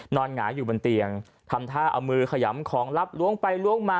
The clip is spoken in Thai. หงายอยู่บนเตียงทำท่าเอามือขยำของลับล้วงไปล้วงมา